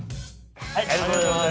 ありがとうございます。